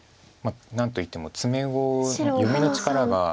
まあ何といっても詰碁読みの力が。